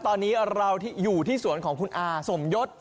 ตอนนี้เราอยู่ที่สวนของคุณอาสมยศ